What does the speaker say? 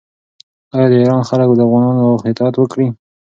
آیا د ایران خلک به د افغانانو اطاعت وکړي؟